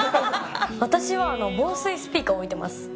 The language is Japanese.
私は防水スピーカーを置いてます。